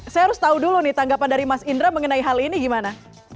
saya harus tahu dulu nih tanggapan dari mas indra mengenai hal ini gimana